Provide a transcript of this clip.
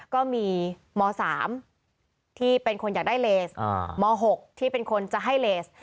ก็มีม๓ที่เป็นคนอยากได้เลสม๖ที่เป็นคนจะให้เลส